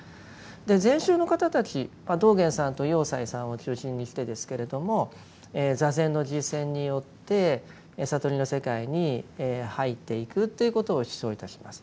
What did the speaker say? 禅宗の方たち道元さんと栄西さんを中心にしてですけれども坐禅の実践によって悟りの世界に入っていくということを主張いたします。